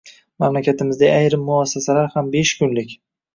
Mamlakatimizdagi ayrim muassasalar ham besh kunlik.